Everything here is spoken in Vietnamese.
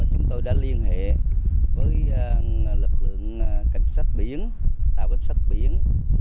chúng tôi đã liên hệ với lực lượng cảnh sát biển tàu cảnh sát biển